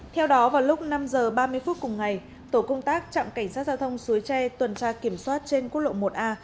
theo đó vào lúc năm h ba mươi phút cùng ngày tổ công tác trạm cảnh sát giao thông suối tre tuần tra kiểm soát trên quốc lộ một a